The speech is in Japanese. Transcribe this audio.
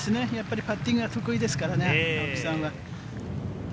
パッティングが得意ですからね、青木さんは。